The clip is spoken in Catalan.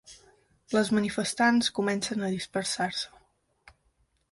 Les manifestants comencen a dispersar-se.